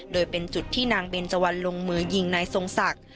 โดยเป็นจุดที่นางเบนเจวันลงมือยิงนายทรงศักดิ์